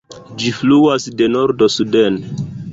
Ĝi fluas de nordo suden.